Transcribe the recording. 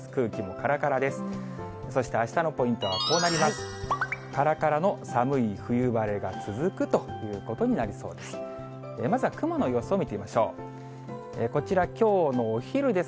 からからの寒い冬晴れが続くということになりそうです。